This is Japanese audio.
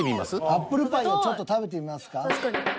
アップルパイをちょっと食べてみますか。